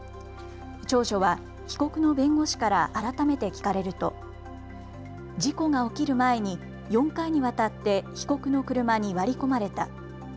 長女は被告の弁護士から改めて聞かれると事故が起きる前に４回にわたって被告の車に割り込まれた。